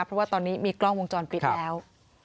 เพราะว่าตอนนี้มีกล้องวงจรปิดแล้ว